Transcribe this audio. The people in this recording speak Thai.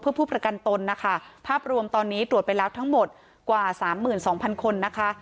เพื่อผู้ประกันตนนะคะภาพรวมตอนนี้ตรวจไปแล้วทั้งหมดกว่าสามหมื่นสองพันคนนะคะ